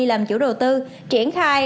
làm chủ đầu tư triển khai